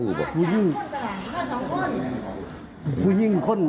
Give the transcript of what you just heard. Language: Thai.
ลูกสาวต่อมา๒คน